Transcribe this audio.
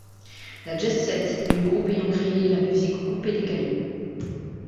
La Jet Set est le groupe ayant créé la musique coupé-décalé.